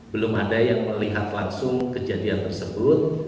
belum ada yang melihat langsung kejadian tersebut